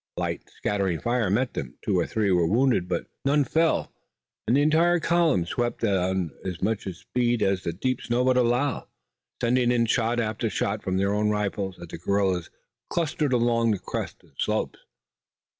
A light, scattering fire met them. Two or three were wounded but none fell, and the entire column swept on at as much speed as the deep snow would allow, sending in shot after shot from their own rifles at the guerrillas clustered along the crests and slopes.